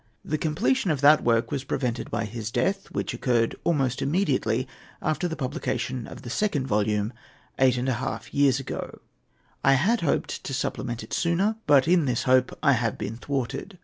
The completion of that work was prevented by his death, which occurred almost immediately after the publication of the Second Volume, eight years and a half ago. I had hoped to supplement it sooner; but in this hope I have been thwarted.